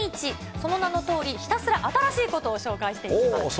その名のとおり、ひたすら新しいことを紹介していきます。